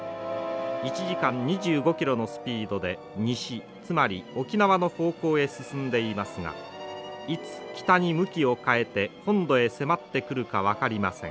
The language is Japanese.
１時間２５キロのスピードで西つまり沖縄の方向へ進んでいますがいつ北に向きを変えて本土へ迫ってくるか分かりません。